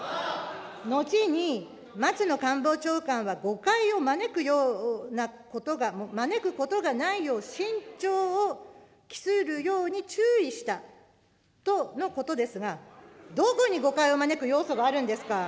後に、松野官房長官は誤解を招くようなことが、招くことがないよう慎重を期するように注意したとのことですが、どこに誤解を招く要素があるんですか。